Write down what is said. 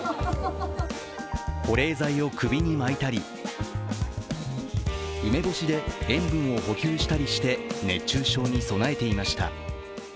保冷剤を首に巻いたり、梅干しで塩分を補給したりして熱中症に備えていました。